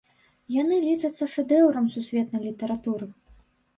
Яны лічацца шэдэўрам сусветнай літаратуры.